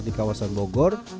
di kawasan bogor